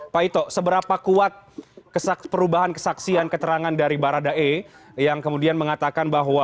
pak ito seberapa kuat perubahan kesaksian keterangan dari baradae yang kemudian mengatakan bahwa